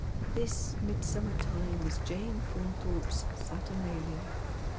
This midsummer time is Jane Faunthorpe's saturnalia.